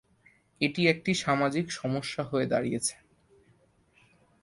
এটি একটি সামাজিক সমস্যা হয়ে দাঁড়িয়েছে।